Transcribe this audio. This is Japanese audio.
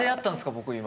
僕今。